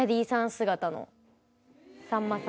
姿のさんまさん。